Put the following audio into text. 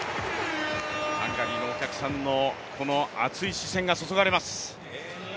ハンガリーのお客さんのこの熱い視線が注がれます。